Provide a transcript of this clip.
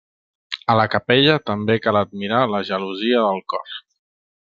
A la Capella també cal admirar la gelosia del Cor.